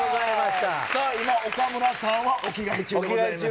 さあ、今、岡村さんはお着替え中でございます。